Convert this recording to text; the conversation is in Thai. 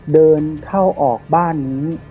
เดินเข้าออกบ้านนี้